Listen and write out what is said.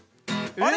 「あれ？」